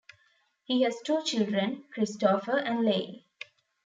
He has two children, Christopher and Leigh.